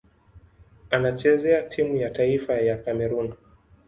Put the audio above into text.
Anachezea timu ya taifa ya Kamerun.